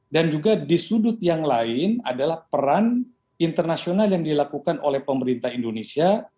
dan juga di sudut yang lain adalah peran internasional yang dilakukan oleh pemerintah indonesia